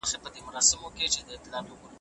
پلار مې وویل چي تل رښتیا خبرې کوئ.